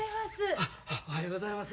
あおはようございます。